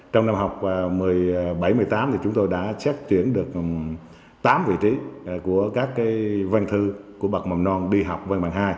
trong năm học hai nghìn một mươi bảy hai nghìn một mươi tám thì chúng tôi đã xét tuyển được tám vị trí của các văn thư của bậc mầm non đi học văn bằng hai